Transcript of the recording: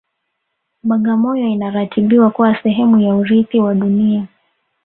bagamoyo inaratibiwa kuwa sehemu ya urithi wa dunia